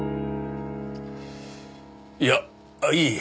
いやいい。